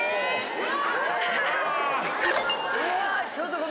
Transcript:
うわ。